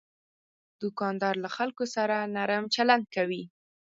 دوکاندار له خلکو سره نرم چلند کوي.